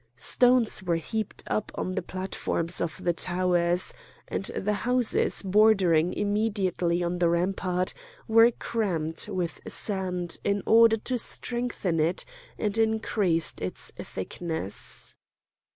Stones were heaped up on the platforms of the towers, and the houses bordering immediately on the rampart were crammed with sand in order to strengthen it and increase its thickness.